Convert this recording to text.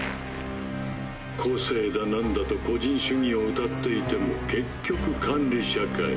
個性だ何だと個人主義を謳っていても結局管理社会。